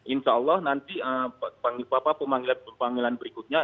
insya allah nanti pak bapak pemanggilan berikutnya